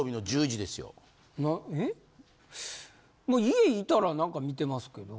家いたら何か観てますけど。